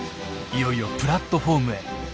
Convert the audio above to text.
いよいよプラットホームへ。